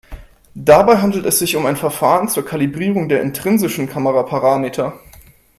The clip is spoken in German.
Dabei handelt es sich um ein Verfahren zur Kalibrierung der intrinsischen Kameraparameter.